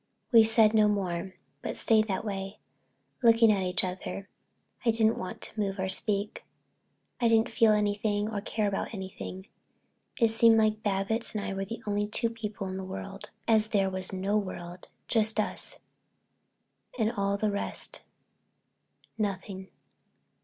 We said no more, but stayed that way, looking at each other. I didn't want to move or speak. I didn't feel anything or care about anything. It seemed like Babbitts and I were the only two people in the whole world, as if there was no world, just us, and all the rest nothing.